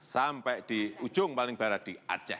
sampai di ujung paling barat di aceh